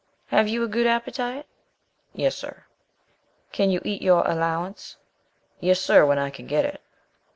"Have you a good appetite?" "Yes, sir." "Can you eat your allowance?" "Yes, sir, when I can get it."